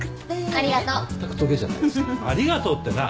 「ありがとう」ってな。